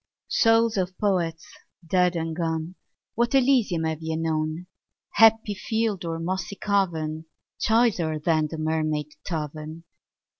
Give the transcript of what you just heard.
Souls of Poets dead and gone, What Elysium have ye known, Happy field or mossy cavern, Choicer than the Mermaid Tavern?